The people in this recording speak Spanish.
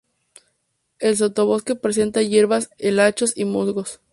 El sotobosque presenta hierbas, helechos y musgos.